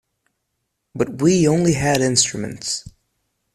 But we only had instruments.